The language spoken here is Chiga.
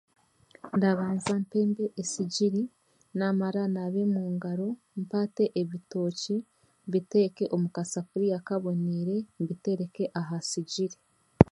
Ndabanza mpembe esigiri, naamara naabe mu ngaro mpate ebitooki mbiteeka omu kasaforiya kabonaire mbitereke aha sigiri